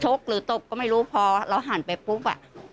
หรือตบก็ไม่รู้พอเราหันไปปุ๊บ